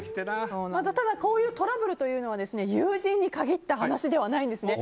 ただ、こういうトラブルは友人に限った話ではないんですね。